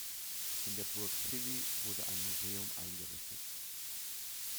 In der Burg Cilli wurde ein Museum eingerichtet.